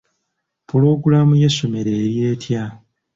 Pulogulaamu y'essomero eri etya?